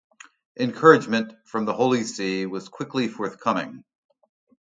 Encouragement from the Holy See was quickly forthcoming.